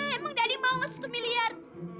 emang dari mau satu miliar